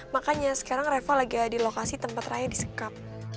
makanya sekarang reva lagi di lokasi tempat raya disekap